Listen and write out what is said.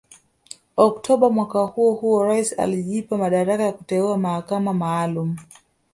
Oktoba mwaka huo huo rais alijipa madaraka ya kuteua mahakama maalumu